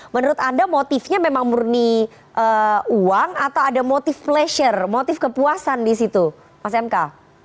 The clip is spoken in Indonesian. menurut anda motifnya memang murni uang atau ada motif pleasure motif kepuasan di situ mas mk